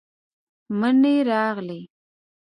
منی راغلې،